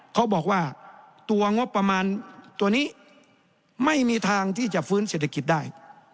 เขาบอกว่าตัวงบประมาณตัวนี้ไม่มีทางที่จะฟื้นเศรษฐกิจได้